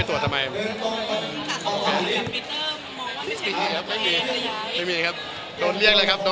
โดนเรียกแหละครับโดนเรียกแหละ